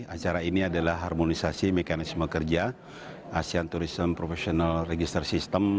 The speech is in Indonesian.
acara ini adalah harmonisasi mekanisme kerja asean tourism professional register system